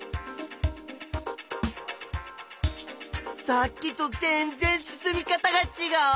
さっきと全然進み方がちがう。